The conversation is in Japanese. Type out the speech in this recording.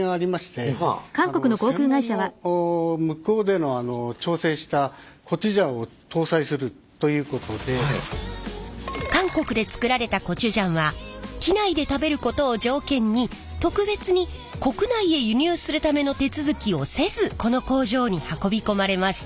専門の韓国で作られたコチュジャンは機内で食べることを条件に特別に国内へ輸入するための手続きをせずこの工場に運び込まれます。